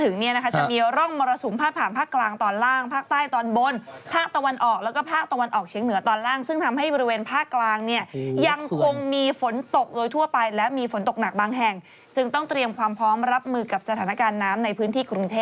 นี่เขาบอกภาคกลางภาคตะวันออกเฉียงเหนือตอนล่างนะคะคือ